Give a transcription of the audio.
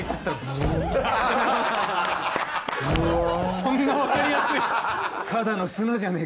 そんなわかりやすい。